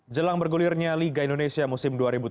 jelang bergulirnya liga indonesia musim dua ribu tujuh belas